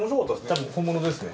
多分本物ですね。